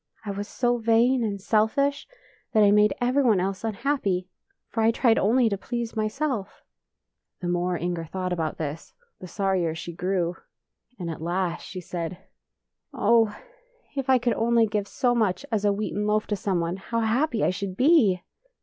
I was so vain and selfish that I made every one else unhappy, for I tried only to please myself." [ 28 ] iNGER^S LOAF The more Inger thought about this, the sorrier she grew, and at last she said, " Oh, if I could only give so much as a wheaten loaf to someone, how happy I should be!